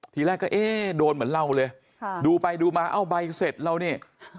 ทีแรกก็เอ๊ะโดนเหมือนเราเลยดูไปดูมาเอ้าใบเสร็จเรานี่